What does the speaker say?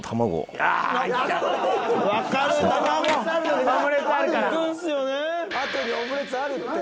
あとでオムレツあるって。